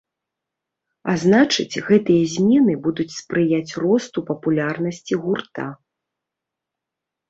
А значыць, гэтыя змены будуць спрыяць росту папулярнасці гурта.